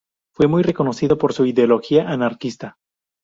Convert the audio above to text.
Fue muy reconocido por su ideología anarquista.